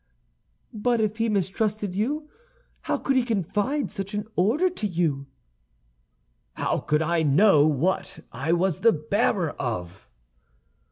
"But if he mistrusted you, how could he confide such an order to you?" "How could I know what I was the bearer of?"